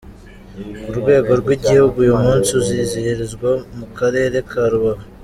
Ku rwego rw’Igihugu, uyu munsi uzizihirizwa mu Karere ka Rubavu.